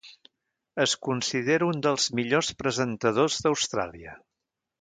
Es considera un dels millors presentadors d'Austràlia.